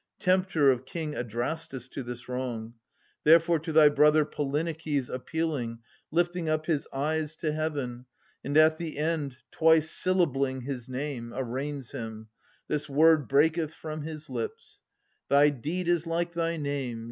Tempter of King Adrastus to this wrong : Thereafter to thy brother Polyneikes Appealing, lifting up his eyes to heaven, And at the end twice syllabling his name,^ Arraigns him : this word breaketh from his lips :* Thy deed is like thy name